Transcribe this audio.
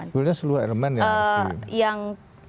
sebelumnya seluruh elemen yang harus dilindungi